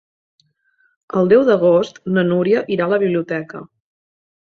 El deu d'agost na Núria anirà a la biblioteca.